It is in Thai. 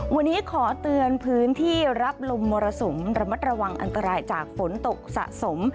วันนี้ขอเตือนพื้นที่รับลมมรสุมระมัดระวังอันตรายจากฝนตกสะสม